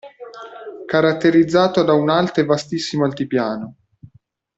Caratterizzato da un alto e vastissimo altipiano.